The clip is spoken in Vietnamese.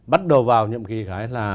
bắt đầu vào nhiệm kỳ cái là